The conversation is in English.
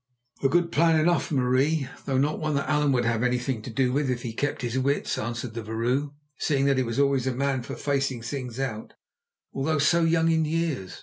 "A good plan enough, Marie, though not one that Allan would have anything to do with if he kept his wits," answered the vrouw, "seeing that he was always a man for facing things out, although so young in years.